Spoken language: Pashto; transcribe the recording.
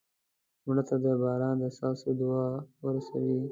مړه ته د باران د څاڅکو دعا ورسوې